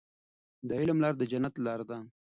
د علم لاره د جنت لاره ده.